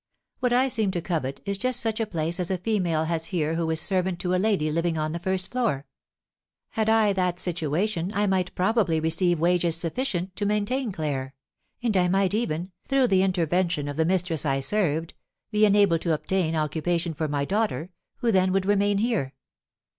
What I seem to covet is just such a place as a female has here who is servant to a lady living on the first floor. Had I that situation I might probably receive wages sufficient to maintain Claire; and I might even, through the intervention of the mistress I served, be enabled to obtain occupation for my daughter, who then would remain here.